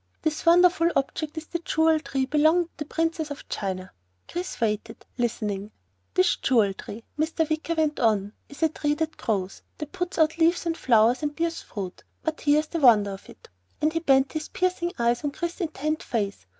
This wonderful object is the Jewel Tree belonging to the Princess of China." Chris waited, listening. "This Jewel Tree," Mr. Wicker went on, "is a tree that grows, that puts out leaves and flowers and bears fruit, but here is the wonder of it," and he bent his piercing eyes on Chris's intent face.